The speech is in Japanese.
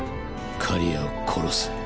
刈谷を殺す。